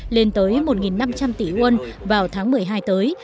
lên tới một năm trăm linh tỷ won vào tháng một mươi hai tới